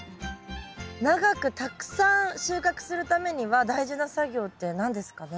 長くたくさん収穫するためには大事な作業って何ですかね？